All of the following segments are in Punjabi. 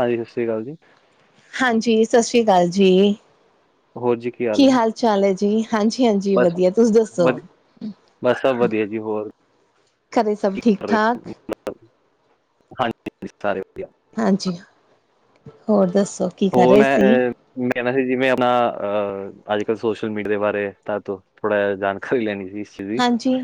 ਹਾਂ ਜੀ ਸਸੀ ਕਾਲ ਜੀ। ਹਾਂਜੀ ਸਾਸ੍ਰੀ ਕਾਲ ਜੀ। ਹੋਰ ਜੀ ਕੀ ਹਾਲ ਹੈ? ਕੀ ਹਾਲ ਚਾਲ ਐ ਜੀ, ਹਾਂਜੀ-ਹਾਂਜੀ ਬਸ ਵਦੀਆ ਤੁਸੀਂ ਦੱਸੋ? ਵਧੀ ਬਸ ਸਬ ਵਦੀਆ ਜੀ ਹੋਰ ਘਰੇ ਸਬ ਕੀ ਕਰ ਠੀਕ-ਠਾਕ। [unintelligible] ਹਾਂਜੀ ਸਾਰੇ ਵਦੀਆ। ਹਾਂਜੀ, ਹੋਰ ਦੱਸੋ? ਕੀ ਕਰ ਹੋਰ ਰਹੇ ਮੈਂ ਸੀ ਕੈਨਾ ਸੀ ਜਿਵੇਂ ਅਪਨਾ ਅ ਆੱਜ-ਕੱਲ ਸੋਸ਼ਲ ਮੀਡੀਆ ਦੇ ਬਾਰੇ ਤਾਂ ਤੋਂ। ਥੋੜਾ ਜਾ ਜਾਣਕਾਰੀ ਲੈਨੀ ਸੀਗੀ ਹਾਂਜੀ।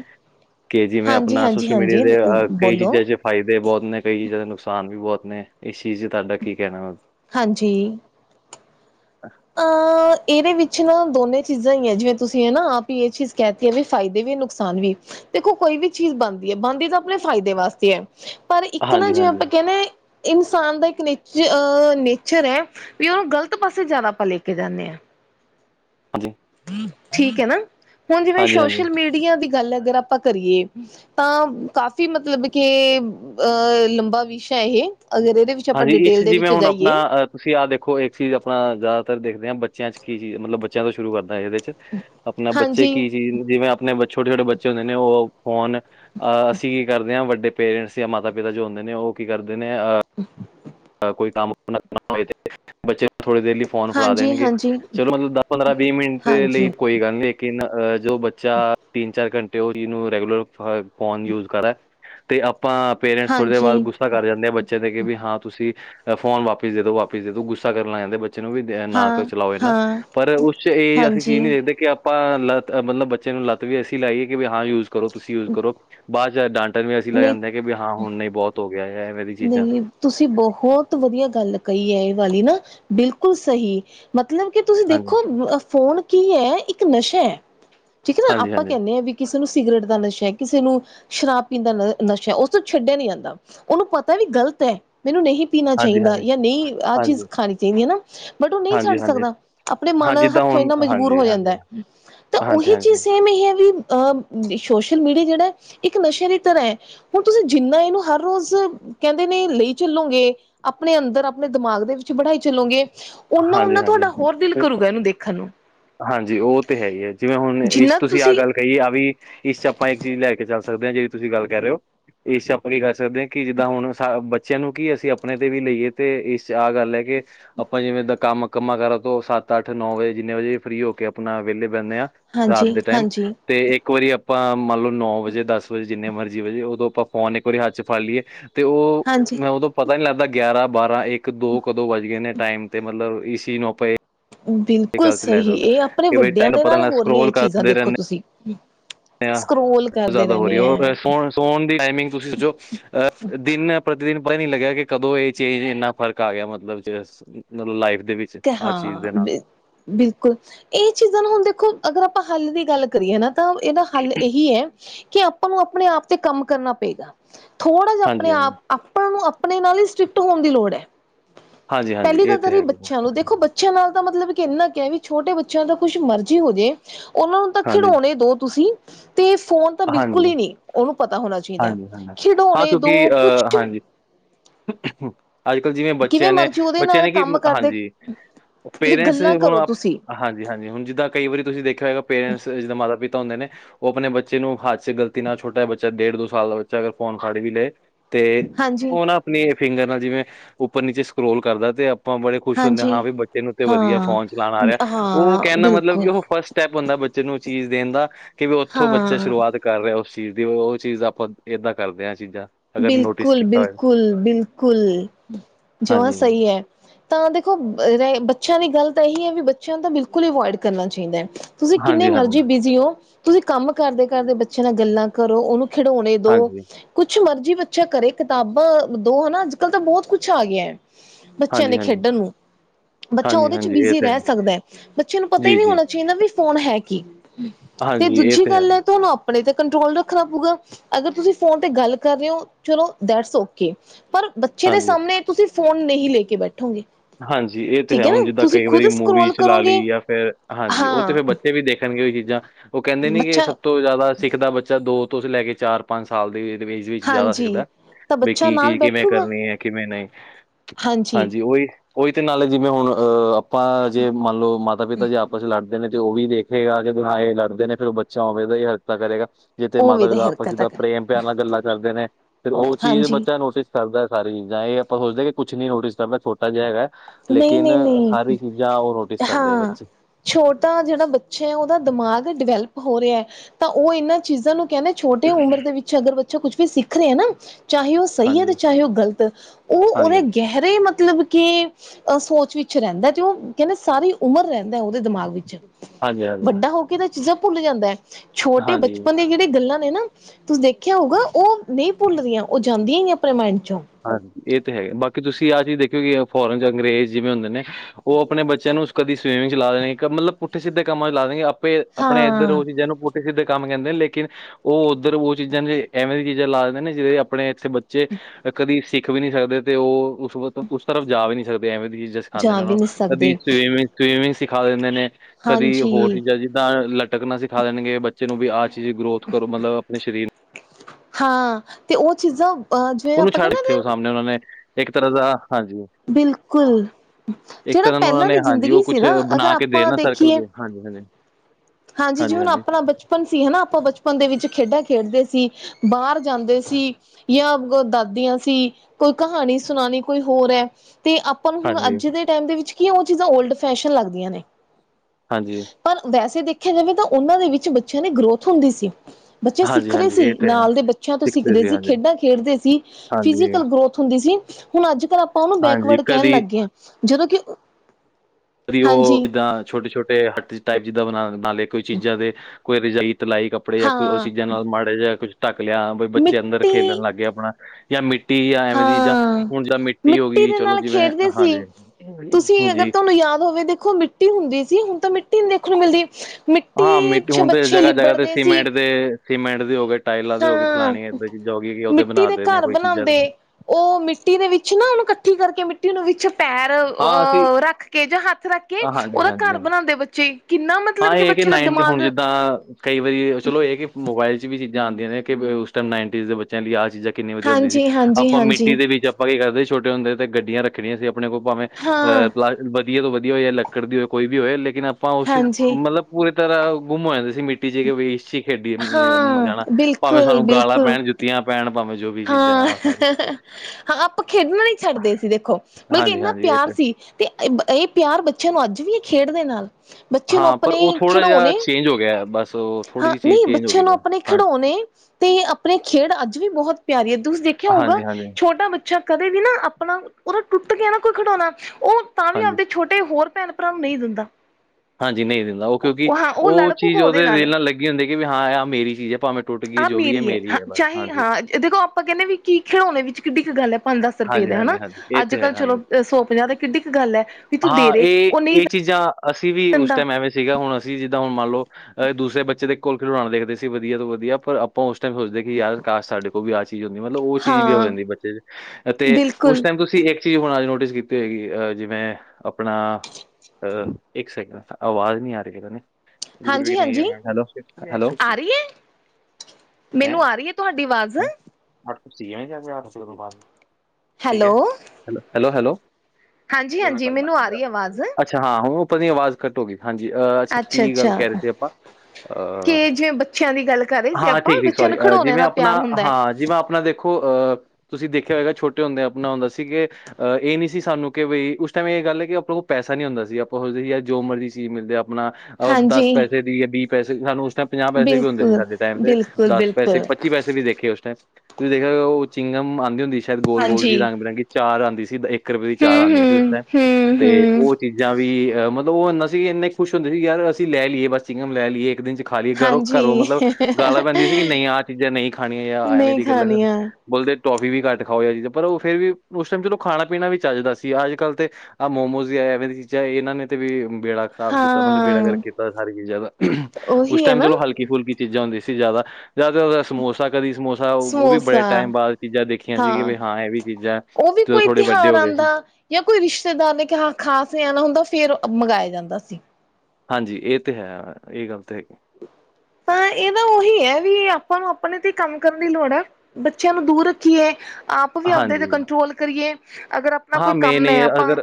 ਕਿ ਜਿਵੇਂ ਹਾਂਜੀ ਅਪਨਾ ਹਾਂਜੀ ਸੋਸ਼ਲ ਮੀਡੀਆ ਹਾਂਜੀ ਤੇ ਅ ਕਈ ਬੋਲੋ ਚੀਜ਼ਾਂ ਚ ਫਾਇਦੇ ਬੋਤ ਨੇ ਕਈ ਚੀਜ਼ਾਂ ਦੇ ਨੁਕਸਾਨ ਵੀ ਬੋਤ ਨੇ ਇਸ ਚੀਜ਼ ਚ ਤੁਆਡਾ ਕੀ ਕੈਣਾ ਵਾ। ਹਾਂਜੀ। [inaudible] ਅ ਏਦੇ ਵਿੱਚ ਨਾ ਦੋਨੇ ਚੀਜ਼ਾਂ ਈ ਐ ਜਿਵੇਂ ਤੁਸੀਂ ਐ ਨਾ ਆਪ ਈ ਏ ਚੀਜ਼ ਕੈਤੀ ਏ ਵੀ ਫਾਇਦੇ ਵੀ ਨੁਕਸਾਨ ਵੀ। ਦੇਖੋ ਕੋਈ ਵੀ ਚੀਜ਼ ਬਣਦੀ ਐ ਬਣਦੀ ਤਾਂ ਅਪਨੇ ਫਾਇਦੇ ਵਾਸਤੇ ਐ ਪਰ ਇੱਕ ਨਾ ਹਾਂਜੀ, ਜਿਵੇਂ ਹਾਂਜੀ, ਆਪਾਂ ਹਾਂਜੀ, ਕੈਣੇ ਆ ਇਨਸਾਨ ਦਾ ਇੱਕ ਨੇਚ ਅ ਨੇਚਰ ਐ ਵੀ ਓਨੂੰ ਗਲਤ ਪਾਸੇ ਜੈਦਾ ਆਪਾਂ ਲੈ ਕੇ ਜਾਂਦੇ ਆਂ। ਹਾਂਜੀ। ਠੀਕ ਐ ਨਾ ਹੁਣ ਜਿਵੇਂ ਹਾਂਜੀ। ਸੋਸ਼ਲ ਮੀਡੀਆ ਦੀ ਗੱਲ ਅਗਰ ਆਪਾਂ ਕਰੀਏ ਤਾਂ ਕਾਫੀ ਮਤਲਬ ਕੇ ਅ ਲੰਬਾ ਵਿਸ਼ਾ ਏਹੇ ਅਗਰ ਏਦੇ ਵਿੱਚ ਆਪਾਂ ਹਾਂਜੀ ਇਸ ਡਿਟੇਲ ਦੇ ਜਿਵੇਂ ਵਿੱਚ ਹੁਣ ਆਪਣਾ ਜਾਈਏ ਅ ਤੁਸੀਂ ਆ ਦੇਖੋ ਇੱਕ ਚੀਜ਼ ਅਪਨਾ ਜੈਦਾਤਰ ਦੇਖਦੇ ਆ ਬੱਚਿਆਂ ਚ ਕੀ ਚੀਜ਼ ਮਤਲਬ ਬੱਚਿਆਂ ਤੋਂ ਸ਼ੁਰੂ ਕਰਦੇ ਏਦੇ ਚ ਅਪਨਾ ਬੱਚੇ ਹਾਂਜੀ ਕੀ ਚੀਜ਼ ਜਿਵੇਂ ਅਪਨੇ ਛੋਟੇ-ਛੋਟੇ ਬੱਚੇ ਹੁੰਦੇ ਨੇ ਓਹ ਫੋਨ ਅ ਅਸੀਂ ਕੀ ਕਰਦੇ ਆ ਵੱਡੇ ਪੇਰੈਂਟਸ ਜਾਂ ਮਾਤਾ- ਪਿਤਾ ਜੋ ਹੁੰਦੇ ਨੇ ਓ ਕੀ ਕਰਦੇ ਨੇ ਅ [inaudible] ਕੋਈ ਕੰਮ ਕਰਨਾ ਹੋਵੇ ਤੇ ਬੱਚੇ ਨੂੰ ਥੋੜੀ ਦੇਰ ਲਈ ਫੋਨ ਫੜਾ ਹਾਂਜੀ ਦੇਣਗੇ। ਹਾਂਜੀ ਚਲੋ ਦਸ ਵੀਹ ਪੰਦਰਾਂ ਮਿੰਟ ਲਈ ਹਾਂਜੀ ਕੋਈ ਗੱਲ ਨਹੀਂ ਲੇਕਿਨ ਅਹ ਜੋ ਬੱਚਾ ਤਿੰਨ-ਚਾਰ ਘੰਟੇ ਓ ਚੀਜ਼ ਨੂੰ ਰੈਗੂਲਰ ਫੋਨ ਯੂਜ ਕਰ ਰਿਆ ਤੇ ਆਪਾਂ ਪੇਰੈਂਟਸ ਥੋੜੀ ਦੇਰ ਬਾਦ ਹਾਂਜੀ ਗੁੱ ਸਾ ਕਰ ਜਾਂਦੇ ਆ ਬੱਚਿਆਂ ਦੇ ਵੀ ਹ ਤੁਸੀਂ ਫੋਨ ਵਾਪਿਸ ਦੇ ਦੋ ਵਾਪਿਸ ਦੇ ਦੋ ਗੁੱਸਾ ਕਰਨ ਲਗ ਜਾਂਦੇ। ਬੱਚੇ ਨੂੰ ਵੀ ਨਾ ਕੋ ਹਾਂ ਚਲਾਓ ਏਨਾ ਹਾਂ ਪਰ ਉਸ ਚ ਇਹ ਅਸੀਂ ਚੀਜ਼ ਹਾਂਜੀ ਨਹੀਂ ਦੇਖਦੇ ਕਿ ਆਪਾਂ ਲੱਤ ਮਤਲਬ ਬੱਚੇ ਨੂੰ ਲੱਤ ਵੀ ਅਸੀਂ ਲਾਈਏ ਕਿ ਵੀ ਹਾਂ ਯੂਜ ਕਰੋ ਤੁਸੀਂ ਯੂਜ ਕਰੋ ਬਾਅਦ ਚ ਡਾਂਟ ਵੀ ਅਸੀਂ ਲੱਗ ਨਹੀਂ ਜਾਂਦੇ ਆ ਕਿ ਵੀ ਹਾਂ ਹੁਣ ਨਹੀਂ ਬੋਤ ਹੋ ਗਿਆ ਇਹਵੇਰੀ ਨਈ ਤੁਸੀਂ ਬਹੁਤ ਵਧੀਆ ਗੱਲ ਕਈ ਐ ਇਹ ਵਾਲੀ ਨਾ ਬਿਲਕੁਲ ਸਹੀ ਮਤਲਬ ਕਿ ਤੁਸੀਂ ਹਾਂਜੀ। ਦੇਖੋ ਅ ਫੋਨ ਕੀ ਐ ਇੱਕ ਨਸ਼ਾ ਐ ਠੀਕ ਐ ਨਾ ਹਾਂਜੀ, ਆਪਾਂ ਹਾਂਜੀ, ਕੇਨੇ ਆ ਵੀ ਕਿਸੇ ਨੂੰ ਸਿਗਰਟ ਦਾ ਨਸ਼ਾ ਐ ਕਿਸੇ ਨੂੰ ਸ਼ਰਾਬ ਪੀਣ ਦਾ ਨਸ਼ਾ ਐ ਉਸ ਤੋਂ ਛੱਡਿਆ ਨੀ ਜਾਂਂਦਾ। ਓਨੂ ਪਤਾ ਵੀ ਗ਼ਲਤ ਐ ਮੈਨੂੰ ਨਹੀਂ ਪੀਣਾ ਹਾਂਜੀ, ਚਾਈਦਾ ਹਾਂਜੀ, ਜਾਂ ਨਹੀਂ ਆਹ ਚੀਜ਼ ਹਾਂਜੀ, ਖਾਣੀ ਚਾਈਦੀ ਐ ਨਾ ਬਟ ਓਹ ਨਈ ਹਾਂਜੀ, ਛੱਡ ਹਾਂਜੀ, ਸਕਦਾ। ਆਪਣੇ ਹਾਂ ਮਨ ਜਿੱਦਾਂ ਹੱਥੋਂ ਹੁਣ ਇੰਨਾ ਮਜ਼ਬੂਰ ਹਾਂਜੀ, ਹੋ ਹਾਂਜੀ, ਜਾਂਦਾ ਤਾਂ ਹਾਂਜੀ, ਹਾਂਜੀ, ਉਹੀ ਚੀਜ਼ ਸੇਮ ਇਹੇ ਐ ਵੀ ਅਹ ਸੋਸ਼ਲ ਮੀਡੀਆ ਜੇੜਾ ਐ ਇੱਕ ਨਸ਼ੇ ਦੀ ਤਰ੍ਹਾਂ ਐ ਹੁਣ ਤੁਸੀਂ ਜਿੰਨਾ ਇਹਨੂੰ ਹਰ ਰੋਜ਼ ਕਹਿੰਦੇ ਨੇ ਲਈ ਚੱਲੋਗੇ ਆਪਣੇ ਅੰਦਰ ਆਪਣੇ ਦਿਮਾਗ ਦੇ ਵਿੱਚ ਬੜਾਈ ਚੱਲੋਗੇ ਹਾਂਜੀ, ਓਨਾ-ਓਨਾ ਤੁਹਾਡਾ ਹੋਰ ਦਿਲ ਕਰੂਗਾ ਹਾਂਜੀ। ਇਹਨੂੰ ਦੇਖਣ ਨੂੰ। ਹਾਂਜੀ ਉਹ ਤੇ ਹੈ ਹੀ ਹੈ ਜਿਵੇਂ ਹੁਣ ਇਸ ਤੁਸੀਂ ਆਹ ਗੱਲ ਕਈ ਆ ਵੀ ਇਸ ਚ ਆਪਾਂ ਇੱਕ ਚੀਜ਼ ਲੈ ਕੇ ਚੱਲ ਸਕਦੇ ਹਾਂ ਜੇੜੀ ਤੁਸੀਂ ਗੱਲ ਕਹਿ ਰਹੇ ਹੋ। ਇਸ ਚ ਆਪਾਂ ਵੀ ਕਰ ਸਕਦੇ ਹਾਂ ਕਿ ਜਿੱਦਾਂ ਹੁਣ ਸਾ ਬੱਚਿਆਂ ਨੂੰ ਕੀ ਅਸੀਂ ਆਪਣੇ ਤੇ ਵੀ ਲਈਏ ਤੇ ਇਸ ਚ ਆਹ ਗੱਲ ਹੈ ਕਿ ਆਪਾਂ ਜਿਵੇਂ ਦਾ ਕੰਮ ਕੰਮਾਂ-ਕਾਰਾਂ ਤੋਂ ਸੱਤ-ਅੱਠ-ਨੌ ਵਜੇ ਜਿੰਨੇ ਵਜੇ ਵੀ ਫਰੀ ਹੋ ਕੇ ਆਪਾਂ ਆਪਣਾ ਵੇਲੇ ਬੇਨੇ ਆਂ ਰਾਤ ਹਾਂਜੀ ਦੇ ਟਾਈਮ ਹਾਂਜੀ ਤੇ ਇੱਕ ਵਾਰੀ ਆਪਾਂ ਮੰਨ ਲਓ ਨੌ ਵਜੇ ਦਸ ਵਜੇ ਜਿੰਨੇ ਮਰਜ਼ੀ ਵਜੇ ਉਦੋਂ ਆਪਾਂ ਫੋਨ ਇੱਕ ਵਾਰੀ ਹੱਥ ਚ ਫੜ ਲਈਏ ਤੇ ਉਹ ਹਾਂਜੀ। ਮੈਂ ਉਦੋਂ ਪਤਾ ਨਈ ਲੱਗਦਾ ਗਿਆਰਾਂ-ਬਾਰਾਂ ਇੱਕ ਦੋ ਕਦੋਂ ਵੱਜ ਗਏ ਨੇ ਟਾਈਮ ਤੇ ਮਤਲਬ ਪਏ ਇਸ ਚੀਜ਼ ਨੂੰ ਆਪਾਂ ਬਿਲਕੁਲ ਗੱਲ ਤੁਸੀਂ ਲੈ ਸਹੀ ਸਕਦੇ ਇਹ ਆਪਣੇ ਕਿ ਬ ਵੱਡਿਆਂ ਤੈਨੂੰ ਦੇ ਪਤਾ ਨਾਲ ਨੀ ਲਗਦਾ ਹੋ ਰਹੀਆਂ ਸਕਰੋਲ ਇਹ ਚੀਜ਼ਾਂ ਕਰਦੇ ਦੇਖੋ ਤੁਸੀਂ। ਰਹਿੰਦੇ ਸਕਰੋਲ ਕਰਦੇ ਜ਼ਿਆਦਾ ਹੋ ਰਹੀ ਰਹਿੰਦੇ ਆ ਹੈ ਸੋਣ ਦੀ ਟਾਈਮਿੰਗ ਤੁਸੀਂ ਸੋਚੋ ਅਹ ਦਿਨ ਪ੍ਰਤੀ ਦਿਨ ਪਤਾ ਹੀ ਨੀ ਲੱਗਿਆ ਕਿ ਕਦੋਂ ਇਹ ਚੇਂਜ ਇੰਨਾ ਫ਼ਰਕ ਆ ਗਿਆ ਮਤਲਬ ਚ ਮਤਲਬ ਲਾਈਫ ਦੇ ਵਿੱਚ ਕਿ ਆਹ ਚੀਜ਼ ਹਾਂ ਦੇ ਨਾਲ ਬ ਬਿਲਕੁਲ ਇਹ ਚੀਜ਼ਾਂ ਨੂੰ ਹੁਣ ਦੇਖੋ ਅਗਰ ਆਪਾਂ ਹੱਲ ਦੀ ਗੱਲ ਕਰੀਏ ਨਾ ਤਾਂ ਏਦਾ ਹੱਲ ਏਹੀ ਐ ਕਿ ਆਪਾਂ ਨੂੰ ਆਪਣੇ-ਆਪ ਤੇ ਕੰਮ ਕਰਨਾ ਪਏਗਾ। ਥੋੜ੍ਹਾ ਜੀਆ ਆਪਣੇ ਹਾਂਜੀ ਹਾਂਜੀ ਆਪ ਆਪਾਂ ਨੂੰ ਆਪਣੇ ਨਾਲ ਹੀ ਸਟ੍ਰਿਕਟ ਹੋਣ ਦੀ ਲੋੜ ਹੈ। ਹਾਂਜੀ ਹਾਂਜੀ ਪਹਿਲੀ ਇਹ ਗੱਲ ਤੇ ਰਹੀ ਹੈਗਾ ਬੱਚਿਆਂ ਦੇਖੋ ਬੱਚਿਆਂ ਨਾਲ ਤਾਂ ਮਤਲਬ ਕਿ ਇੰਨਾ ਕ ਵੀ ਛੋਟੇ ਬੱਚਿਆਂ ਦਾ ਕੁੱਛ ਮਰਜ਼ੀ ਹੋ ਜੇ ਉਹਨਾਂ ਨੂੰ ਤਾਂ ਹਾਂਜੀ ਖਿਡੋਣੇ ਦੋ ਤੁਸੀਂ ਤੇ ਫੋਨ ਤਾਂ ਬਿਲਕੁਲ ਹੀ ਹਾਂਜੀ ਨਹੀਂ ਉਹਨੂੰ ਪਤਾ ਹੋਣਾ ਚਾਹੀਦਾ ਹਾਂਜੀ ਹਾਂਜੀ ਹਾਂ ਖਿਡੌਣੇ ਦੋ ਕਿਉਂਕਿ ਕੁਛ ਅ ਹਾਂਜੀ ਅੱਜ ਕੱਲ੍ਹ ਜਿਵੇਂ ਕਿਵੇਂ ਬੱਚਿਆਂ ਨੇ ਮਰਜੀ ਉਹਦੇ ਬੱਚਿਆਂ ਨਾਲ ਨੇ ਕਿ ਕੰਮ ਕਰਦੇ ਹਾਂਜੀ ਵੀ ਪੇਰੈਂਟਸ ਗੱਲਾਂ ਹੁਣ ਕਰੋ ਤੁਸੀਂ ਹਾਂਜੀ ਹਾਂਜੀ ਹੁਣ ਜਿੱਦਾਂ ਕਈ ਵਾਰੀ ਤੁਸੀਂ ਦੇਖਿਆ ਹੋਏਗਾ ਪੇਰੈਂਟਸ ਜਿੱਦਾਂ ਮਾਤਾ- ਪਿਤਾ ਹੁੰਦੇ ਨੇ। ਉਹ ਆਪਣੇ ਬੱਚੇ ਨੂੰ ਹੱਦ ਚ ਗਲਤੀ ਨਾਲ ਛੋਟਾ ਹੈ ਬੱਚਾ ਡੇਢ ਦੋ [unintelligible] ਹਾਂਜੀ ਉਹ ਨਾ ਆਪਣੀ ਫਿੰਗਰ ਨਾਲ਼ ਜਿਵੇਂ ਉੱਪਰ ਨੀਚੇ ਸਕਰੋਲ ਕਰਦਾ ਤੇ ਆਪ ਆਪਾਂ ਬੜੇ ਖੁਸ਼ ਹੁਣੇ ਆ ਹਾਂਜੀ ਵੀ ਬੱਚੇ ਨੂੰ ਤੇ ਵਧੀਆਂ ਹਾਂ ਫ਼ੋਨ ਚਲਾਣਾ ਆ ਰਿਹਾ ਉਹ ਹਾਂ ਕਹਿਣ ਦਾ ਮਤਲਬ ਕਿ ਬਿਲਕੁਲ ਉਹ ਫਸਟ ਸਟੈਪ ਹੁੰਦਾ ਬੱਚੇ ਨੂੰ ਚੀਜ਼ ਦੇਣ ਦਾ ਕਿ ਵੀ ਉੱਥੋਂ ਬੱਚੇ ਹਾਂ ਸ਼ੁਰੂਆਤ ਕਰ ਰਿਹਾ ਉਸ ਚੀਜ਼ ਦੀ ਉਹ ਚੀਜ਼ ਆ ਏਦਾਂ ਕਰਦੇ ਆ ਚੀਜ਼ਾਂ ਅਗਰ ਨੋਟਿਸ ਬਿਲਕੁਲ, ਕੀਤਾ ਹੋਇਆ ਬਿਲਕੁਲ, ਬਿਲਕੁਲ ਜੋ ਹਾਂਜੀ ਸਈ ਐ। ਤਾਂ ਦੇਖੋਂ ਅ ਰੈ ਬੱਚੇਆਂ ਵੀ ਗੱਲ ਤਾਂ ਏਹੀ ਹੈ, ਵੀ ਬੱਚੇਆਂ ਤਾਂ ਬਿਲਕੁਲ ਅਵੋਏਡ ਕਰਨਾ ਚਾਈਦੈ। ਤੂਸੀਂ ਕਿੰਨੇ ਹਾਂਜੀ ਹਾਂਜੀ ਮਰਜੀ ਬਿਜ਼ੀ ਓ, ਤੂਸੀ ਕਾੰਮ ਕਰਦੇ-ਕਰਦੇ ਬੱਚੇਆਂ ਨਾਲ ਗੱਲਾਂ ਕਰੋ, ਓਨੂੰ ਖਿਡੋਨੇ ਦੋ ਹਾਂਜੀ ਕੁੱਛ ਮਰਜੀ ਬੱਚਾ ਕਰੇ, ਕਿਤਾਬਾਂ ਦੋ, ਹਨਾ ਆੱਜ-ਕਾੱਲ ਤਾਂ ਬੋਤ ਕੁੱਛ ਆ ਗੇਐ ਬੱਚੇਆਂ ਹਾਂਜੀ ਦੇ ਹਾਂਜੀ ਖੇਡਨ ਨੂੰ, ਬੱਚਾ ਹਾਂਜੀ ਓਦੇ ਚ ਹਾਂਜੀ ਇਹ ਬਿਜ਼ੀ ਤੇ ਹੈ ਰੈ ਸਕਦੈ, ਬੱਚੇਆਂ ਨੂੰ ਪਤਾ ਈ ਜੀ, ਨੀ ਜੀ, ਹੋਨਾ ਚੈਨਾ ਵੀ ਫ਼ੋਨ ਹੈ ਕੀ, ਤੇ ਹਾਂਜੀ ਇਹ ਦੂਜੀ ਹੈ, ਗਾੱਲ ਐ ਤੋਨੂੰ ਅਪ ਅਪਣੇ ਤੇ ਕੰਟਰੋਲ ਰੱਖਨਾ ਪਊਗਾ ਅਗਰ ਤੂਸੀ ਫੋਨ ਤੇ ਗੱਲ ਕਰ ਰੇ ਓ ਚਲੋ, ਦੈਟਸ ਓਕੇ। ਪਰ ਬੱਚੇ ਦੇ ਹਾਂਜੀ। ਸਾਮਨੇ ਤੂਸੀ ਫ਼ੋਨ ਨਹੀਂ ਲੈ ਕੇ ਬੈਠੋਗੇ। ਹਾਂਜੀ, ਏ ਤੇ ਠੀਕ ਹੈ, ਹੁਨ ਨਾ ਜਿੱਦਾਂ ਤੁਸੀਂ ਕਈ ਖੁਦ ਵਾਰੀ ਮੂਵੀ ਸਕਰੋਲ ਚਲਾ ਲੀ ਕਰੋਗੇ ਯਾ ਫੇਰ ਹਾਂਜੀ, ਓ ਤੇ ਫੇਰ ਹਾਂ ਬੱਚੇ ਵੀ ਦੇਖ ਖਨਗੇ ਏ ਚੀਜਾਂ, ਓ ਕੈਂਦੇ ਨੀ ਕਿ ਬੱਚਾ ਸਬ ਤੋ ਜਾਦਾ ਸਿੱਖ ਦਾ ਬੱਚਾ ਦੋ ਤੋਸੇ ਲੈ ਕੇ ਚਾਰ ਪਾੰਜ ਸਾਲ ਦੀ ਏਜ ਦੇ ਵਿੱਚ-ਵਿੱਚ ਜਾਦਾ ਹਾਂਜੀ ਸਿੱਖਦੈ ਤਾਂ ਬਈ ਬੱਚਾ ਕੀ ਨਾਲ ਚੀਜ ਕਿਵੇਂ ਬੈਠੂਗਾ ਕਰਨੀ ਏ, ਕਿਵੇਂ ਨਈਂ ਹਾਂਜੀ ਓਈ, ਓਈ ਤੇ ਨਾਲੇ ਜਿਵੇਂ ਹੁਣ ਅ ਅਪਾਂ ਜੇ ਮਾੰਨ ਲੋ ਮਾਤਾ-ਪਿਤਾ ਜੇ ਆਪਸ ਚ ਲੜਦੇ ਨੇ, ਤੇ ਓ ਵੀ ਦੇਖੇਗਾ ਕਿ ਹਾਂ ਏ ਲੜਦੇ ਨੇ, ਫ਼ਿਰ ਓ ਬੱਚਾ ਓਂਵੇਦਾ ਈ ਹਰਕਤਾਂ ਕਰੇਗਾ। ਜਿੱਥੇ ਉਵੇਂ ਦੇ ਮਾਤਾ-ਪਿਤਾ ਆਪਸ ਹਰਕਤਾਂ ਜਿੱਦਾਂ ਕਰ ਪ੍ਰੇਮ ਪੇਆਰ ਨਾਲ਼ ਗੱਲਾਂ ਕਰਦੇ ਨੇ, ਫੇਰ ਓ ਚੀਜ ਹਾਂਜੀ ਬੱਚਾ ਨੋਟਿਸ ਕਰਦੈ ਸਾਰੀ ਚੀਜਾਂ, ਏ ਆਪਾਂ ਸੋਚਦੇ ਆਂ ਕਿ ਕੁੱਛ ਨੀ ਨੋਟਿਸ ਕਰਦਾ, ਛੋਟਾ ਜਾ ਹੈਗੈ ਨਹੀਂ ਲੇਕਿਨ ਨਹੀਂ ਨਹੀਂ ਸਾਰੀ ਚੀਜਾਂ, ਓ ਨੋਟਿਸ ਕਰਦੇ ਐ ਹਾਂ ਬੱਚੇ। ਛੋਟਾ ਜੇੜਾ ਬੱਚਾ ਐ ਓਦਾ ਦਮਾਗ ਡਵੈਲਪ ਹੋ ਰੇਐ, ਤਾਂ ਓ ਏਨਾਂ ਚੀਜਾਂ ਨੂੰ ਕੈਨੈ ਛੋਟੀ ਉਮਰ ਦੇ ਵਿੱਚ ਅਗਰ ਬੱਚਾ ਕੁੱਛ ਵੀ ਸਿੱਖ ਰੇਐ ਨਾ, ਚਾਹੇ ਓ ਸਈ ਐ ਤੇ ਹਾਂਜੀ ਚਾਏ ਓ ਗਲਤ ਓ ਓਦੇ ਹਾਂਜੀ ਗੈਹਰੇ ਮਤਲਬ ਕਿ ਅ ਸੋਚ ਵਿੱਚ ਰੈਂਦੈ ਤੇ ਓ ਕੈਂਦੇ ਸਾਰੀ ਉਮਰ ਰੈਂਦੈ ਓਦੇ ਦਮਾਗ ਵਿੱਚ ਹਾਂਜੀ ਹਾਂਜੀ ਵੱਡਾ ਹੋ ਕੇ ਤਾਂ ਚੀਜਾ ਭੁੱਲ ਜਾਂਦੈ, ਛੋਟੇ ਹਾਂਜੀ ਬੱਚਪਨ ਦੀ ਜੇੜੀ ਗੱਲਾਂ ਨੇ ਨਾ ਤੂ ਦੇਖੇਆ ਹੋਊਗਾ, ਓ ਨਈ ਭੁੱਲਦੀਆਂ, ਓ ਜਾਂਦੀਆਂ ਈ ਨੀ ਅਪਨੇ ਮਾਈੰਡ ਚੋਂ। ਹਾਂਜੀ ਏ ਤੇ ਹੈ, ਬਾਕੀ ਤੂਸੀ ਆ ਚੀਜ ਦੇਖੀ ਹੋਉਗੀ ਫੋਰਨ ਚ ਅੰਗਰੇਜ ਜਿਵੇਂ ਹੋਂਦੇ ਨੇ ਓ ਅਪਨੇ ਬੱਚੇਆਂ ਨੂੰ ਕਦੀ ਸਵਿਮਿੰਗ ਚ ਲਾ ਦੇਨਗੇ ਮਤਲਬ ਪੁੱਠੇ-ਸਿੱਦੇ ਕੰਮਾਂ ਚ ਲਾ ਦੇਨਗੇ, ਅਪ ਆਪੇ ਅਪਣੇ ਏੱਦਰ ਓ ਹਾਂ ਚੀਜਾਂ ਨੂੰ ਪੁੱਟ ਸਿੱਦੇ ਕਾੰਮ ਕੈਂਦੇ ਨੇ, ਲੇਕਿਨ ਓ ਉਦੱਰ ਓ ਚੀਜਾਂ ਨੇ, ਐਵੇਂ ਦੀ ਚੀਜ਼ਾਂ ਲਾ ਦੇਂਦੇ ਨੇ ਜੇੜੇ ਅਪ ਅਪਣੇ ਇੱਥੇ ਬੱਚੇ ਕਦੀ ਸਿੱਖ ਵੀ ਨੀ ਸਕਦੇ, ਤੇ ਓ ਉਸ ਵ ਉਸ ਤਰਫ਼ ਜਾ ਵੀ ਨੀ ਸਕਦੇ, ਐਵੇਂ ਦੀ ਚੀਜ ਸਿਖਾਂਦੇ ਜਾ ਨੇ ਓਨਾਂ ਵੀ ਨੂੰ, ਨਹੀਂ ਕਦੀ ਸਕਦੇ ਸਵੀਮਿੰਗ-ਸਵੀਮਿੰਗ ਸਿਖਾ ਦੇੰਦੇ ਨੇ, ਕਦੀ ਹਾਂਜੀ ਹੋਰ ਚੀਜਾ ਜਿੱਦਾਂ ਅ ਲਟ ਟਕਨਾ ਸਿਖਾ ਦੇਨਗੇ ਬੱਚੇ ਨੂੰ, ਵੀ ਆ ਚੀਜ ਗਰੋਥ ਕਰੋ ਮਤਲਬ ਅਪਨੇ ਸ਼ਰੀਰ ਹਾਂ, ਤੇ ਓ ਚੀਜਾਂ ਓਨੂੰ ਛੱਡ ਇੱਥੇ ਓ ਸਾਮਨੇ ਉਨਾਂ ਨੇ, ਇੱਕ ਤਰਾੱ ਦਾ, ਹਾਂਜੀ ਬਿਲਕੁਲ ਇੱਕ ਜਿਹੜਾ ਤਰਾਂ ਦਾ ਓਨਾਂ ਪਹਿਲਾਂ ਨੇ ਦੀ ਹਾਂਜੀ, ਓ ਜ਼ਿੰਦਗੀ ਸੀ ਕੁੱਛ ਨਾ ਅਗਰ ਬਨਾ ਕੇ ਆਪਾਂ ਦੇਨਾ ਸਰਕਲ ਦੇਖੀਏ ਜੇ ਹਾਂਜੀ-ਹਾਂਜੀ। ਹਾਂਜੀ ਜੀ ਹੁਨ ਹਾਂਜੀ-ਹਾਂਜੀ, ਅਪਨਾ ਬਚਪ ਬਚਪਨ ਸੀ ਹਨਾ, ਅਪਾਂ ਬਚਪਨ ਦੇ ਵਿੱਚ ਖੇਡਾਂ ਖੇਡਦੇ ਸੀ, ਬਾਰ ਜਾਂਦੇ ਸੀ ਯਾ ਗੋ ਦਾਦੀਆਂ ਸੀ, ਕੋਈ ਕਹਾਨੀ ਸੂਨਾਨੀ, ਕੋਈ ਹੋਰ ਐ, ਤੇ ਆਪ ਆਪਾਂ ਨੂੰ ਹੁਨ ਹਾਂਜੀ, ਅੱਜ ਦੇ ਟਾਈਮ ਦੇ ਵਿੱਚ ਕੀ ਓ ਚੀਜਾਂ ਓਲਡ ਫੈਸ਼ਨ ਲੱਗਦੀਆਂ ਨੇ। ਹਾਂਜੀ। ਪਰ ਵੈਸੇ ਦੇਖੇਆਂ ਜਾਵੇ ਤਾਂ ਓਨਾਂ ਦੇ ਵਿੱਚ ਬੱਚੇਆਂ ਦੀ ਗਰੋਥ ਹੁੰਦੀ ਸੀ। ਬੱਚੇ ਸਿੱਖਦੇ ਹਾਂਜੀ-ਹਾਂਜੀ ਸੀ, ਇਹ ਤੇ ਹੈ ਨਾਲ ਦੇ ਬੱਚੇਆਂ ਤੋਂ ਸਿੱਖਦੇ ਸੀ, ਖੇਡਾਂ ਖੇਡਦੇ ਸੀ, ਹਾਂਜੀ, ਫਿਜ਼ੀਕਲ ਗਰੋਥ ਹੁੰਦੀ ਸੀ, ਹੁਨ ਆੱਜ-ਕਾੱਲ ਆਪਾਂ ਓਨੂੰ ਹਾਂਜੀ ਬੈਕਵਰਡ ਕੈਨ ਕਦੀ ਲਾੱਗ ਗੇ ਆਂ, ਜਦੋਂ ਕਿ ਅਰੀ ਓ ਹਾਂਜੀ ਜਿੱਦਾਂ ਛੋਟੇ-ਛੋਟੇ ਹੱਟੀਸ ਟਾਈਪ ਜਿੱਦਾਂ ਬਨਾ, ਨਾ ਲੇ ਕੋਈ ਚੀਜਾਂ ਦੇ ਕੋਈ ਰਜਾਈ, ਤੂਲਾਈ, ਕੱਪੜੇ ਯਾ ਕੋਈ ਓ ਹਾਂ ਚੀਜਾਂ ਨਾਲ, ਮਾੜਾ ਜੇਆ ਕੁੱਛ ਟਾੱਕ ਲੇਆ ਬਈ, ਬੱਚੇ ਅੰਦਰ ਖੇਲੱਨ ਮਿੱਟੀ ਲਾੱਗੇ ਅਪਣਾ। ਜਾਂ ਮਿੱਟੀ ਜਾਂ ਐਵੇਂ ਦੀ ਚੀਜ਼ਾਂ, ਹਾਂ ਹੁਣ ਜਦ ਮਿੱਟੀ ਹੋ ਗਈ ਚਲੋ, ਜਿਵੇਂ ਹਾਂਜੀ-ਹਾਂਜੀ। ਤੁਸੀ ਅਗਰ ਤੁਆਨੂੰ ਹੋਵੇ ਦੇਖੋ ਮਿੱਟੀ ਹੁੰਦੀ ਸੀ ਹੁਣ ਤਾਂ ਮਿੱਟੀ ਨਹੀਂ ਦੇਖਣ ਨੂੰ ਮਿਲਦੀ। ਹਾਂ ਮਿੱਟੀ 'ਚ ਹੁਣ ਤੇ ਬੱਛੇ ਜਗ੍ਹਾ ਜਗ੍ਹਾ ਤੇ ਲਿਬੜਦੇ ਸੀ। ਸੀਮੈਂਟ ਦੇ ਸੀਮੈਂਟ ਦੀ ਹੋ ਗਏ, ਟਾਇਲਾਂ ਦੀ ਹੋ ਗਈ, ਹਾਂ ਫਲਾਣਿਆ ਏਦਾਂ ਚੀਜ਼ਾਂ ਹੋ ਗਈ ਕਿ, ਉਹਦੇ ਬਣਾ ਦੇਦੇ ਕੋਈ ਚੀਜ਼ਾਂ। ਓ ਮਿੱਟੀ ਦੇ ਵਿੱਚ ਨਾ, ਓਨੂੰ ਕੱਠੀ ਕਰਕੇ ਮਿੱਟੀ ਨੂੰ ਵਿੱਚ ਪੈਰ ਹਾਂ ਅਸੀਂ ਅਹ ਰੱਖ ਕੇ ਜਾਂ ਹੱਥ ਰੱਖ ਕੇ, ਹਾਂਜੀ ਓਦਾ ਘਰ ਹਾਂਜੀ ਬਣਾਂਦੇ ਬੱਚੇ। ਕਿੰਨਾ ਹਾਂ, ਮਤਲਬ ਕਿ ਏ ਕੀ ਬੱਚੇ ਦਾ ਨਾਈਨ 'ਚ ਹੁਣ ਦਿਮਾਗ ਜਿੱਦਾਂ ਕਈ ਵਾਰੀ ਓ ਚਲੋ ਏ ਕਿ ਮੋਬਾਇਲ ਚ ਵੀ ਚੀਜ਼ਾਂ ਆਂਦੀਆਂ ਨੇ ਕਿ, ਉਸ ਟਾਈਮ ਨਾਈਨਟੀਜ਼ ਦੇ ਬੱਚੇਆਂ ਲਈ ਆਹ, ਚੀਜ਼ਾਂ ਕਿੰਨੀ ਵਧੀਆ ਹੁੰਦੀ ਸੀ, ਹਾਂਜੀ ਹਾਂਜੀ ਆਪਾਂ ਮਿੱਟੀ ਹਾਂਜੀ ਦੇ ਵਿੱਚ ਆਪਾਂ ਕੀ ਕਰਦੇ ਛੋਟੇ ਹੁੰਦੇ ਤੇ ਗੱਡੀਆਂ ਰੱਖਣੀਆਂ ਸੀ ਆਪਣੇ ਕੋਲ ਭਾਵੇਂ ਅਹ ਹਾਂ ਪ ਵੱਧੀਆ ਤੋਂ ਵੱਧੀਆ ਹੋਏ, ਲੱਕੜ ਦੀ ਹੋਏ ਕੋਈ ਵੀ ਹੋਏ ਲੇਕਿਨ, ਆਪਾਂ ਉਸ ਹਾਂਜੀ ਮਤਲਬ, ਪੂਰੀ ਤਰ੍ਹਾਂ ਗੁੰਮ ਹੋ ਜਾਂਦੇ ਸੀ ਮਿੱ ਟੀ, ਚ ਇਸੀ 'ਚ ਖੇਡੀ ਹਾਂ ਜਾਣਾ, ਭਾਵੇਂ ਬਿਲਕੁਲ ਸਾਨੂੰ ਗਾਲਾਂ ਬਿਲਕੁਲ ਪੈਣ ਜੁੱਤੀਆਂ ਪੈਣ ਭਾਵੇਂ ਜੋ, ਵੀ ਚੀਜ਼ਾਂ ਹਾਂ, ਆ ਹਾਂ ਸਾਰੀ ਹਹਹ ਆਪਾਂ ਖੇਡਣਾ ਨੀ ਛੱਡਦੇ ਸੀ ਦੇਖੋ ਬਲਕਿ ਹਾਂਜੀ ਇੰਨਾ ਹਾਂਜੀ ਇਹ ਪਿਆਰ ਤੇ ਸੀ ਤੇ ਏ ਬ ਪਿਆਰ ਬੱਚੇਆਂ ਨੂੰ ਅੱਜ ਵੀ ਏ ਖੇਡ ਦੇ ਨਾਲ। ਬੱਚੇਆ ਨੂੰ ਹਾਂ ਪਰ ਆਪਣੇ ਉਹ ਥੋੜ੍ਹਾ ਜਿਹਾ ਖਿਡੋਣੇ, ਚੇਂਜ ਹੋ ਗਿਆ ਹੈ, ਬਸ ਉਹ ਥੋੜ੍ਹੀ ਹਾਂ ਜਿਹੀ ਚੀਜ਼ ਨਈ ਚੇਂਜ ਹੋ ਬੱਚੇਆਂ ਗਈ ਨੂੰ ਵਾ ਆਪਣੇ ਹਾਂ ਖਿਡੋਣੇ ਤੇ ਆਪਣੇ ਖੇਡ ਅੱਜ ਵੀ ਬੋਹਤ ਪਿਆਰੀ ਐ ਤੁਸੀ ਦੇਖਿਆ ਹੋਊਗਾ? ਹਾਂਜੀ ਹਾਂਜੀ ਛੋਟਾ ਬੱਚਾ ਕਦੇ ਵੀ ਨਾ, ਆਪਣਾ ਓਦਾ ਟੁੱਟ ਗਿਆ ਨਾ, ਕੋਈ ਖਿਡੌਣਾ ਓ ਤਾਂ ਵੀ, ਹਾਂਜੀ ਆਂਵਦੇ ਛੋਟੇ ਹੋਰ ਭੈਣ- ਭਰਾ ਨੂੰ ਨਈ ਦਿੰਦਾ। ਹਾਂਜੀ ਨਈ ਦਿੰਦਾ ਓ ਕਿਉਂਕਿ ਉਹ ਹਾਂ ਉਹ ਓ ਲੜ ਪਊਗਾ ਚੀਜ਼ ਉਹਦੇ ਓਦੇ ਦਿਲ ਨਾਲ ਲੱਗੀ ਹੁੰਦੀ ਹੈ, ਕਿ ਵੀ ਹਾਂ ਆਹ ਮੇਰੀ ਚੀਜ਼ ਹੈ ਭਾਵੇਂ ਟੁੱਟ ਗਈ ਆਹ ਜੋ ਵੀ ਹੈ ਮੇਰੀ ਹਾਂ ਐ ਬਸ ਹ ਚਾਹੇ ਹਾਂਜੀ। ਹਾਂ ਦੇਖੋ, ਆਪਾ ਕੇਂਨੇ ਵੀ ਕੀ ਖਿਡੌਣੇ ਵਿੱਚ ਕਿੱਡੀ, ਕ ਗੱਲ ਐ। ਪੰਜ- ਦਸ ਰੁਪਏ ਹਾਂਜੀ, ਦਾ ਹਾਂਜੀ, ਹਨਾ, ਹਾਂਜੀ ਇਹ ਅੱਜ ਤੇ ਹੈ ਕੱਲ੍ਹ ਚਲੋ ਹਾਂਜੀ। ਸੌ- ਪੰਜਾਹ ਦਾ ਕਿੱਡੀ ਕ ਗੱਲ ਐ, ਵੀ ਤੂੰ ਦੇਂਦੇ ਓ ਨਈ ਅਸੀ ਵੀ, ਉਸ ਟਾਈਮ ਐਵੇਂ ਸੀਗਾ ਹੁਣ, ਅਸੀ ਜਿੱਦਾਂ ਹੁਣ ਮੰਨ ਲਓ ਦੂਸਰੇ ਬੱਚੇ ਦੇ ਕੋਲ ਖਿਡੌਣਾ ਦੇਖਦੇ ਸੀ ਵੱਧੀਆ ਤੋਂ ਵੱਧੀਆ ਪਰ, ਆਪਾਂ ਉਸ ਟਾਈਮ ਸੋਚਦੇ ਕੀ ਯਾਰ ਕਾਸ਼, ਸਾਡੇ ਕੋਲ ਵੀ ਆਹ ਚੀਜ਼ ਹੁੰਦੀ, ਮਤਲਬ ਓ ਚੀਜ਼ ਵੀ ਹੋ ਹਾਂ ਜਾਂਦੀ ਬੱਚੇ ਅਤੇ ਉਸ ਬਿਲਕੁਲ ਟਾਈਮ ਤੁਸੀ ਇੱਕ ਚੀਜ਼ ਹੁਣ ਅੱਜ ਨੋਟਿਸ ਕੀਤੀ ਹੋਏਗੀ, ਅਹ ਜਿਵੇਂ ਆਪਣਾ ਅ ਇੱਕ ਸੇਕਿੰਡ ਸਹ ਆਵਾਜ਼ ਨਈ ਆ ਰਈ ਕਿਤੇ ਨੀ ਗੂਗਲ ਪੇ ਹਾਂਜੀ ਕਿੰਨੇ ਹਾਂਜੀ ਕਰੋ, ਹੈਲੋ, ਹੈਲੋ ਆ ਰਹੀ ਹੈ ਮੈਨੂੰ ਆ ਰਈ ਐ ਤੁਆਡੀ ਆਵਾਜ਼। ਅੱਠ ਸੀਆਂ ਜਾ, ਅੱਠ ਸੋ ਤੋਂ ਬਾਅਦ। ਠੀਕ ਹੈ, ਹੈਲੋ ਹੈਲੋ, ਹੈਲੋ ਹਾਂਜੀ ਜੀ ਮੈਂ ਹਾਂਜੀ ਕੱਲ੍ਹ ਮੈਨੂੰ ਆ ਰਹੀ ਹੈ ਆਵਾਜ਼ ਅੱਛਾ ਹਾਂ, ਹੁ ਉਪਰ ਦੀ ਆਵਾਜ਼ ਕੱਟ ਹੋ ਗੀ, ਹਾਂਜੀ, ਅਹ ਅੱਛਾ ਕੀ ਗੱਲ ਕੈ ਰਏ ਸੀ ਆਪਾਂ? ਆ ਕਿ ਜਿਵੇਂ ਬੱਚਿਆਂ ਦੀ ਗੱਲ ਕਰ ਰਹੇ ਸੀ ਹਾਂ ਆਪਾਂ ਠੀਕ -ਠੀਕ ਬੱਚਿਆਂ ਨੂੰ ਸੌਰੀ ਅ, ਖਿਡੌਣਿਆਂ ਜਿਵੇਂ ਦਾ ਆਪਣਾ ਪਿਆਰ ਹੁੰਦਾ ਹੈ ਹਾਂ ਜਿਵੇਂ ਆਪਣਾ ਦੇ ਦੇਖੋ ਅਹ ਤੁਸੀ ਦੇਖੇਆ ਹੋਏਗਾ ਛੋਟੇ ਹੁੰਦੇ ਆਪਣਾ ਹੁੰਦਾ ਸੀ ਕੇ ਅਹ ਏ ਨੀ ਸੀ ਸਾਨੂੰ ਕਿ ਬਈ ਉਸ ਟਾਈਮ ਏ ਗੱਲ ਆ ਕਿ, ਆਪਣੇ ਕੋਲ ਪੈਸਾ ਨੀ ਹੁੰਦਾ ਸੀ ਆਪਾਂ ਸੋਚਦੇ ਸੀ ਜੋ ਮਰਜ਼ੀ ਚੀਜ਼ ਮਿਲਦੇ ਆ ਆਪਣਾ, ਅਹ ਹਾਂਜੀ ਦਸ ਪੈਸੇ ਦੀ ਜਾਂ ਵੀਹ ਪੈਸੇ ਸਾਨੂੰ ਤਾਂ ਪੰਜਾਹ ਪੈਸੇ ਵੀ ਹੁੰਦੇ ਸੀ, ਬਿਲਕੁਲ ਸਾਡੇ ਟਾਈਮ ਤੇ ਬਿਲਕੁਲ ਦਸ ਪੈਸੇ ਬਿਲਕੁਲ ਪੱਚੀ ਪੈਸੇ ਵੀ ਦੇਖੇ ਉਸ ਟਾਈਮ ਲੇਕੀਨ ਉਹ ਚਿੰਗਮ ਆਂਦੀ ਹੁੰਦੀ ਸ਼ਾਇਦ ਗੋਲ- ਗੋਲ ਹਾਂਜੀ ਜੇਈ ਰੰਗ -ਬਿਰੰਗੀ ਚਾਰ ਆਂਦੀ ਸੀ ਬਈ। ਇੱਕ ਰੁਪਏ ਦੀ ਚਾਰ ਹਮ ਆਂਦੀਆਂ ਸੀ ਉਸ ਹਮ ਟਾਈਮ ਹਮ ਤੇ ਹਮ ਓ ਚੀਜ਼ਾਂ ਵੀ, ਅਹ ਮਤਲਬ ਓ ਹੁੰਦਾ ਸੀ ਇੰਨੇ ਖੁਸ਼ ਹੁੰਦੇ ਸੀ, ਯਾਰ ਅਸੀ ਲੈ ਲਈਏ, ਬਸ ਚਿੰਗਮ ਲੈ ਲਈਏ ਇੱਕ ਦਿਨ ਚ'। ਖਾ ਲਈਏ ਗਰੋਂ, ਘਰੋ- ਘਰੋ ਹਾਂਜੀ ਮਤਲਬ ਗਾਲਾ ਪੈਂਦੀਆਂ ਸੀ ਕਿ, ਨਈ ਆਹ ਚੀਜ਼ਾਂ ਨਹੀ ਖਾਣੀਆਂ ਜਾਂ ਐਵੇਂ ਨਹੀਂ ਦੀ ਗੱਲਾਂ ਖਾਣੀਆਂ ਬੋਲਦੇ ਟੋਫੀ ਵੀ ਘੱਟ ਖਾਓ, ਪਰ ਉਹ ਫੇਰ ਵੀ ਉਸ ਟਾਈਮ ਚਲੋ ਖਾਣਾ ਪੀਣਾ ਵੀ ਚੱਜਦਾ ਸੀ ਅੱਜ ਕੱਲ੍ਹ ਤੇ ਆਹ, ਮੋਮੋਸ਼ ਜਾਂ ਐਵੇਂ ਦੀ ਚੀਜ਼ਾਂ ਇਹਨਾਂ ਨੇ ਤੇ ਵੀ। ਬੇੜਾ ਖ਼ਰਾਬ ਕੀਤਾ ਮਤਲਬ ਬੇੜਾ ਗਰਕ ਹਾਂ ਕੀਤਾ ਸਾਰੀ ਚੀਜ਼ਾਂ ਦਾ। ਉਸ ਉਹੀ ਹੈ ਟਾਈਮ ਨਾ ਚਲੋ ਹਲ ਹਲਕੀ-ਫੁਲਕੀ ਚੀਜ਼ਾਂ ਹੁੰਦੀ ਸੀ ਜ਼ਿਆਦਾ, ਜ਼ਿਆਦਾ ਸਮੋਸਾ ਕਦੀ ਸਮੋਸਾ ਉਹ ਵੀ ਸਮੋਸਾ ਬੜੇ ਟਾਈਮ ਬਾਅਦ ਚੀਜ਼ਾਂ ਦੇਖੀ ਦੇਖੀਆਂ ਸੀ ਵੀ ਹਾਂ ਇਹ ਵੀ ਚੀਜ਼ਾਂ ਉਹ ਵੀ ਜਦੋਂ ਕੋਈ ਥੋੜੇ ਵੱਡੇ ਤਿਉਹਾਰ ਹੋ ਗਏ ਸੀ। ਆਉਂਦਾ ਜਾਂ ਕੋਈ ਰਿਸ਼ਤੇਦਾਰ ਨੇਂ ਕਿਹਾ ਖਾਸ ਨੇਂ ਆਣਾ ਹੁੰਦਾ ਫੇਰ ਮੰਗਾਇਆ ਜਾਂਦਾ ਸੀ। ਹਾਂਜੀ ਇਹ ਤੇ ਹੈ ਇਹ ਗੱਲ ਤਾਂ ਹੈਗੀ। ਤਾਂ ਇਹਣਾ ਉਹੀ ਹੈ ਵੀ ਆਪਾਂ ਨੂੰ ਆਪਣੇ ਤੇ ਕੰਮ ਕਰਨ ਦੀ ਲੋੜ ਹੈ। ਬੱਚਿਆਂ ਨੂੰ ਦੂਰ ਰੱਖੀਏ ਆਪ ਵੀ ਆਪਦੇ ਤੇ ਹਾਂਜੀ ਕੰਟਰੋਲ ਕਰੀਏ ਅਗਰ ਆਪਣਾ ਕੋਈ ਹਾਂ ਮੇਨ ਕੰਮ ਏ ਹੈ ਆਪਾਂ ਅਗਰ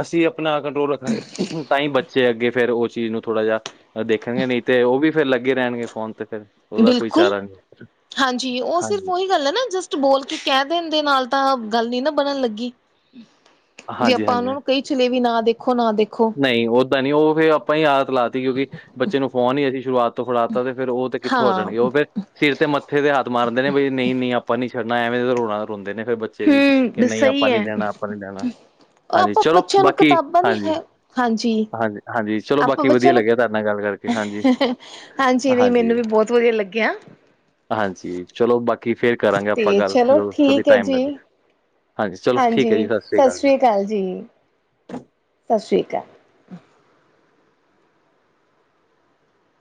ਅਸੀਂ ਆਪਣਾ ਕੰਟਰੋਲ ਰੱਖਾਂਗੇ ਤਾਂ ਹੀ ਬੱਚੇ ਅੱਗੇ ਫੇਰ ਉਹ ਚੀਜ਼ ਨੂੰ ਥੋੜਾ ਜਿਹਾ ਦੇਖਣਗੇ ਨਹੀਂ ਤੇ ਉਹ ਵੀ ਫੇਰ ਲੱਗੇ ਰਹਿਣਗੇ ਫੋਨ ਤੇ ਫੇਰ। ਬਿਲਕੁਲ ਹਾਂਜੀ ਉਹ ਸਿਰਫ ਹਾਂਜੀ ਉਹੀ ਗੱਲ ਹੈ ਨਾ ਜਸਟ ਬੋਲ ਕੇ ਕਹਿ ਦੇਣ ਦੇ ਨਾਲ ਤਾਂ ਗੱਲ ਨੀਂ ਨਾਂ ਬਣਨ ਲੱਗੀ। ਜੇ ਹਾਂਜੀ ਆਪਾਂ ਹਾਂਜੀ ਉਹਨਾਂ ਨੂੰ ਕਹੀ ਚਲੇਏ ਵੀ ਨਾਂ ਦੇਖੋ ਨਾਂ ਦੇਖੋ ਨਹੀਂ ਓਦਾਂ ਨੀਂ ਉਹ ਫੇਰ ਆਪਾਂ ਹੀ ਆਦਤ ਲਾ ਤੀ ਕਿਉਂਕਿ ਬੱਚੇ ਨੂੰ ਫੋਨ ਹੀ ਅਸੀਂ ਸ਼ੁਰੂਆਤ ਤੋਂ ਫੜਾਤਾਾ ਫਿਰ ਉਹ ਤੇ ਕਿੱਥੋਂ ਹਾਂ। ਹਟਣਗੇ ਉਹ ਫੇਰ ਸਿਰ ਤੇ ਮੱਥੇ ਦੇ ਹੱਥ ਮਾਰਦੇ ਨੇਂ ਵੀ ਨਹੀਂ-ਨਹੀਂ ਆਪਾਂ ਨੀ ਛੱਡਣਾ ਐਵੇਂ ਦਾ ਰੋਣਾ ਰੋਂਦੇ ਨੇ ਫੇਰ ਬੱ ਬੱਚੇ ਵੀ ਕਿ ਹੂੰ ਨਹੀਂ ਸਹੀ ਆਪਾਂ ਨੀ ਹੈ। ਦੇਣਾ, ਆਪਾਂ ਨੀ ਦੇਣਾ ਹਾਂਜੀ ਆਪਾਂ ਚਲੋ ਬੱਚਿਆਂ ਨੂੰ ਬਾਕੀ ਕਿਤਾਬਾਂ ਦੀ ਹਾਂਜੀ। ਹੈ ਹਾਂਜੀ ਹਾਂਜੀ ਚਲੋ ਆਪਾਂ ਬਾਕੀ ਬੱਚਿਆਂ ਵਧੀਆ ਨੂੰ ਲੱਗਿਆ ਤੁਹਾਡੇ ਨਾਲ ਗੱਲ ਕਰਕੇ ਹਾਂਜੀ ਹਾਂਜੀ ਨਹੀਂ ਮੈਨੂੰ ਵੀ ਬਹੁਤ ਵਧੀਆ ਲੱਗਿਆ। ਹਾਂਜੀ ਚਲੋ ਬਾਕੀ ਫੇਰ ਕਰਾਂਗੇ ਆਪਾਂ ਤੇ ਗੱਲ ਚਲੋ ਜਦੋਂ ਵੀ ਠੀਕ ਹੈ ਟਾਈਮ ਜੀ ਲੱਗਿਆ। ਹਾਂਜੀ ਜੀ। ਸੱਸਰੀ ਅਕਾਲ ਜੀ। ਸੱਸਰੀ ਕਾਲ।